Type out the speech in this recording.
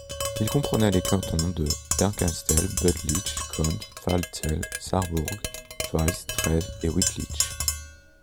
Il comprenait les cantons de Bernkastel, Büdlich, Konz, Pfalzel, Saarburg, Schweich, Trèves et Wittlich.